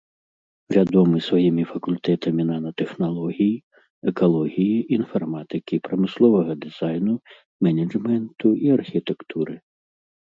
Вядомы сваімі факультэтамі нанатэхналогій, экалогіі, інфарматыкі, прамысловага дызайну, менеджменту і архітэктуры.